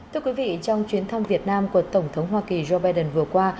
thưa quý vị trong chuyến thăm việt nam của tổng thống hoa kỳ joe biden vừa qua